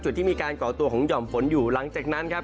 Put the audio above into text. ที่มีการก่อตัวของห่อมฝนอยู่หลังจากนั้นครับ